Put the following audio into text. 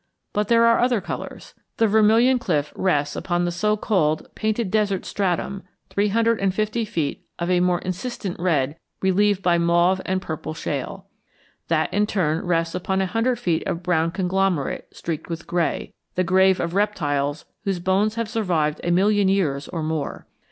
But there are other colors. The Vermilion Cliff rests upon the so called Painted Desert stratum, three hundred and fifty feet of a more insistent red relieved by mauve and purple shale. That in turn rests upon a hundred feet of brown conglomerate streaked with gray, the grave of reptiles whose bones have survived a million years or more.